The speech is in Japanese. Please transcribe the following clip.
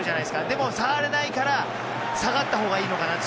でも、触れないから下がったほうがいいのかなと。